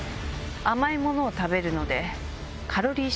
甘いものを食べるので。